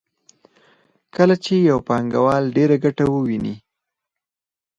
کله چې یو پانګوال ډېره ګټه وویني